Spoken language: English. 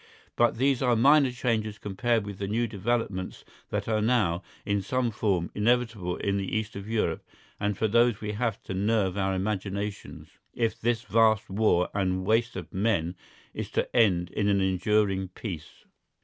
But these are minor changes compared with the new developments that are now, in some form, inevitable in the East of Europe, and for those we have to nerve our imaginations, if this vast war and waste of men is to end in an enduring peace.